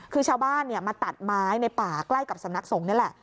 คือชาวบ้านมาตัดไม้ในป่าใกล้กับสำนักสงฆ์นี่แหละ